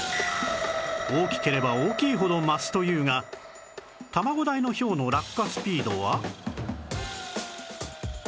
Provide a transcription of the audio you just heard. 大きければ大きいほど増すというが卵大のひょうの落下スピードは？